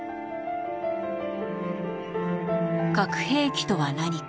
核兵器とは何か。